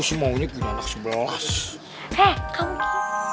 sampai jumpa lagi